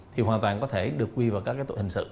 thì hoàn toàn có thể được quy vào các tội hình sự